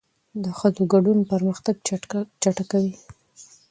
د ښځو ګډون پرمختګ چټکوي.